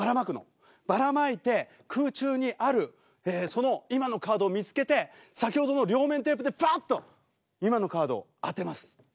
ばらまいて空中にあるその今のカードを見つけて先ほどの両面テープでバッと今のカードを当てます。